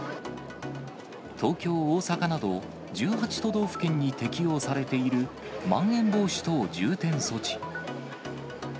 東京、大阪など、１８都道府県に適用されているまん延防止等重点措置。